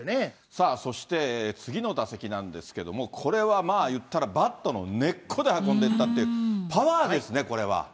さあそして、次の打席なんですけども、これはまあ、言ったらバットの根っこで運んでいったと、パワーですね、これは。